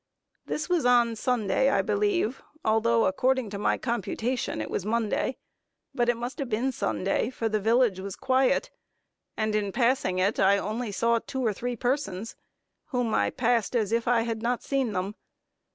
This was on Sunday, I believe, though according to my computation it was Monday; but it must have been Sunday, for the village was quiet, and in passing it I only saw two or three persons, whom I passed as if I had not seen them.